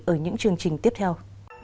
ở những chương trình tiếp theo